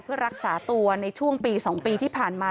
เพื่อรักษาตัวในช่วงปี๒ปีที่ผ่านมา